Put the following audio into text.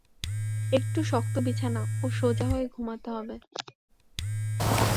একটু শক্ত বিছানা ও সোজা হয়ে ঘুমাতে হবে।